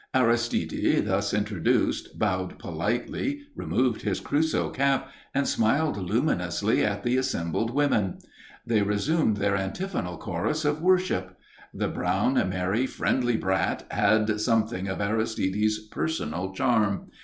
Aristide, thus introduced, bowed politely, removed his Crusoe cap, and smiled luminously at the assembled women. They resumed their antiphonal chorus of worship. The brown, merry, friendly brat had something of Aristide's personal charm.